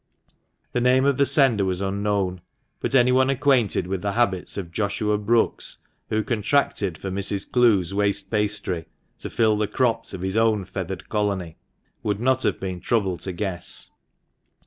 The name of the sender was unknown, but anyone acquainted with the habits of Joshua Brookes (who contracted for Mrs. Clowes' waste pastry, to fill the crops of his own feathered colony) would not have been troubled to guess.